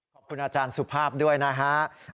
ขอบคุณอาจารย์สุภาพด้วยนะฮะ